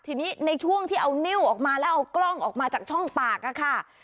ทีนี้ในช่วงที่เอานิ้วออกมาแล้วเอากล้องออกมาจากช่องปากค่ะ